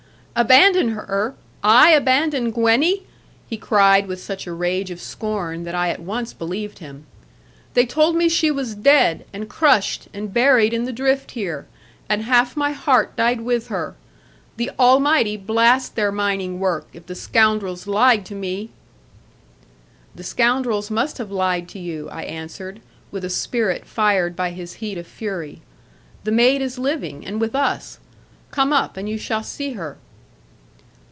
'Abandon her! I abandon Gwenny!' He cried with such a rage of scorn, that I at once believed him. 'They told me she was dead, and crushed, and buried in the drift here; and half my heart died with her. The Almighty blast their mining work, if the scoundrels lied to me!' 'The scoundrels must have lied to you,' I answered, with a spirit fired by his heat of fury: 'the maid is living and with us. Come up; and you shall see her.'